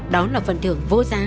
đó là phần thưởng vô giá